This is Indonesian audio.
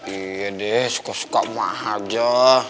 iya deh suka suka emak aja